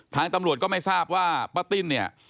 ทางตำรวจก็ไม่ทราบว่าป้าติ้นเนี่ย